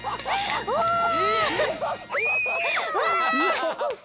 よし！